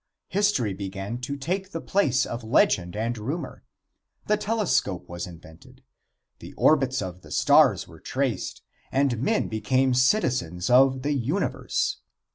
History began to take the place of legend and rumor. The telescope was invented. The orbits of the stars were traced, and men became citizens of the universe.